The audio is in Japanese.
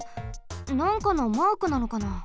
なんかのマークなのかな？